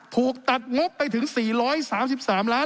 ถูกตัดงบไปถึง๔๓๓ล้าน